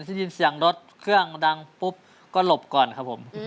ได้ยินเสียงรถเครื่องดังปุ๊บก็หลบก่อนครับผม